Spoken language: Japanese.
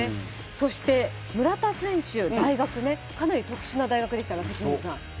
そして村田選手の大学、かなり特殊な大学でしたが。